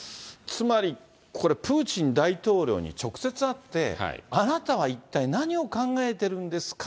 つまり、これ、プーチン大統領に直接会ってあなたは一体何を考えてるんですか？